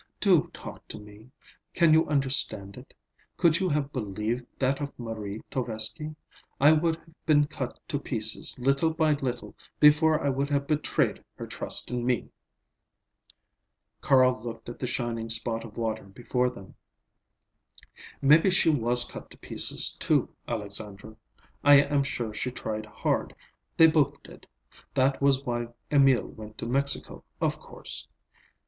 Do talk to me. Can you understand it? Could you have believed that of Marie Tovesky? I would have been cut to pieces, little by little, before I would have betrayed her trust in me!" Carl looked at the shining spot of water before them. "Maybe she was cut to pieces, too, Alexandra. I am sure she tried hard; they both did. That was why Emil went to Mexico, of course.